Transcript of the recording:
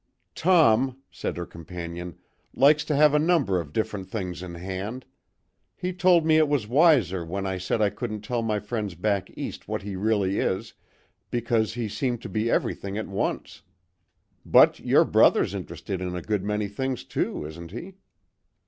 "Tom," said her companion, "likes to have a number of different things in hand. He told me it was wiser when I said I couldn't tell my friends back East what he really is, because he seemed to be everything at once. But your brother's interested in a good many things too, isn't he?"